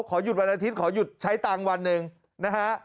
ขอหยุดวันอาทิตย์ขอหยุดใช้ตังค์วันหนึ่งนะฮะ